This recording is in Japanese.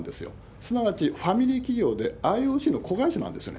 すなわちファミリー企業で、ＩＯＣの子会社なんですよね。